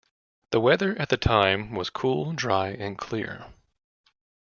The weather at the time was cool, dry, and clear.